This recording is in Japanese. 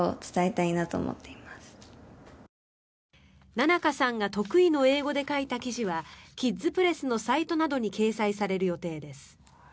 ななかさんが得意の英語で書いた記事はキッズプレスのサイトなどに掲載される予定です。